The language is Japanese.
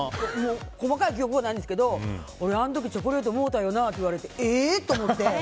細かい記憶はないんですけど俺、あの時チョコレートもろたよなって言われて。